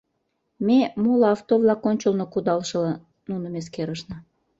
Ме, моло авто-влак ончылно кудалшыла, нуным эскерышна.